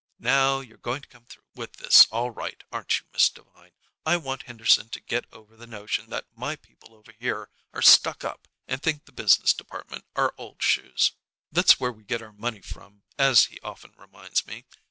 "Now, you're going to come through with this all right, aren't you, Miss Devine? I want Henderson to get over the notion that my people over here are stuck up and think the business department are old shoes. That's where we get our money from, as he often reminds me.